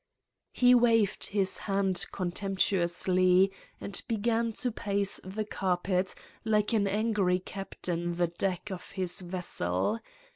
..." He waved his hand contemptuously and began to pace the carpet like an angry captain the deck of his vessel.